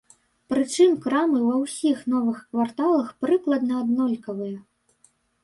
Прычым крамы ва ўсіх новых кварталах прыкладна аднолькавыя.